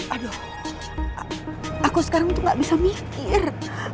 aduh aku sekarang tuh gak bisa mikir